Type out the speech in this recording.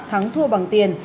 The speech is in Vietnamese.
thắng thua bằng tiền